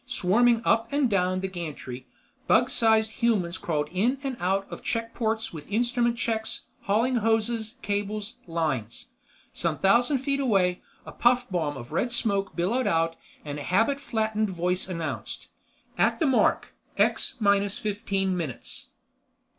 Swarming up and down the gantry, bug sized humans crawled in and out of check ports with instrument checks, hauling hoses, cables, lines. Some thousand feet away, a puff bomb of red smoke billowed out and a habit flattened voice announced: "At the mark, X Minus Fifteen Minutes